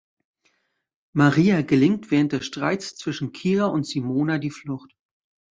Maria gelingt während des Streits zwischen Kira und Simona die Flucht.